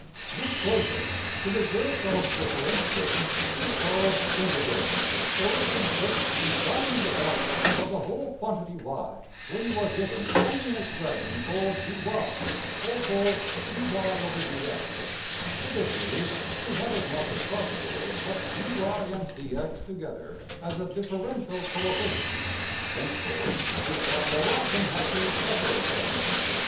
This process, the reverse of differentiating, is called \emph{integrating}; for it consists in finding the value of the whole quantity~$y$ when you are given only an expression for~$dy$ or for~$\dfrac{dy}{dx}$. Hitherto we have as much as possible kept $dy$~and~$dx$ together as a differential coefficient: henceforth we shall more often have to separate them.